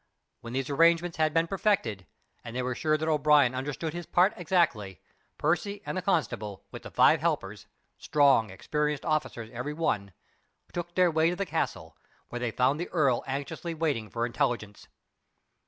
When these arrangements had been perfected, and they were sure that O'Brien understood his part exactly, Percy and the constable, with the five helpers strong, experienced officers, every one took their way to the castle, where they found the earl anxiously waiting for intelligence.